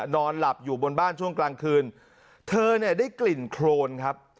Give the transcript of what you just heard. นอนหลับอยู่บนบ้านช่วงกลางคืนเธอเนี่ยได้กลิ่นโครนครับ